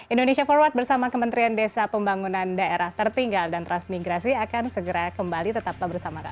indonesia forward bersama kementerian desa pembangunan daerah tertinggal dan transmigrasi akan segera kembali tetaplah bersama kami